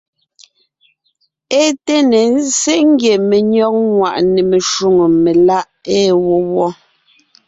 É té ne ńzsé ngie menÿɔ́g ŋwàʼne meshwóŋè meláʼ ée wó wɔ́.